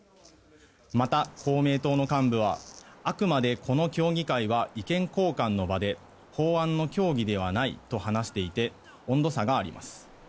また、公明党の幹部はあくまでこの協議会は意見交換の場で法案の協議ではないと話していて温度差があります。